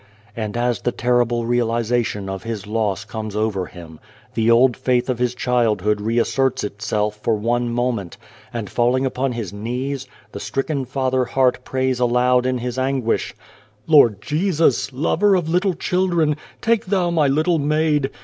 And as the terrible realisation of his loss comes over him, the old faith of his childhood reasserts itself for one moment, and, falling upon his knees, the stricken father heart prays aloud in his anguish : 210 and the Devil " Lord Jesus, Lover of little children ! Take Thou my little maid.